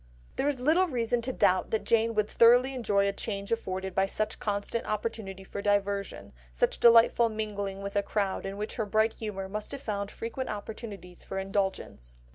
There is little reason to doubt that Jane would thoroughly enjoy the change afforded by such constant opportunity for diversion, such delightful mingling with a crowd in which her bright humour must have found frequent opportunities for indulgence.